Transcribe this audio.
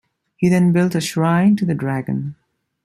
He then built a shrine to the dragon.